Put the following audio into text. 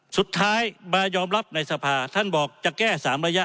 สุดท้ายมายอมรับในสภาท่านบอกจะแก้๓ระยะ